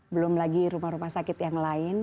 belum lagi rumah rumah sakit yang lain